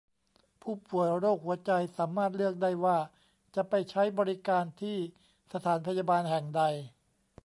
ผู้ป่วยโรคหัวใจสามารถเลือกได้ว่าจะไปใช้บริการที่สถานพยาบาลแห่งใด